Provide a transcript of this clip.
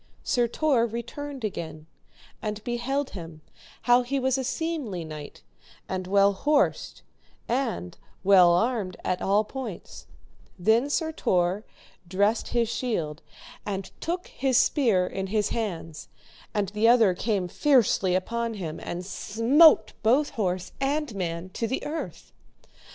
Sir Tor returned again, and beheld him how he was a seemly knight and well horsed, and well armed at all points; then Sir Tor dressed his shield, and took his spear in his hands, and the other came fiercely upon him, and smote both horse and man to the earth.